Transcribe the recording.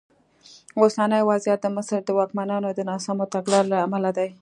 اوسنی وضعیت د مصر د واکمنانو د ناسمو تګلارو له امله دی.